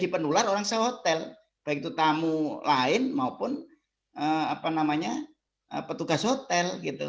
jadi penular orang sehotel baik itu tamu lain maupun petugas hotel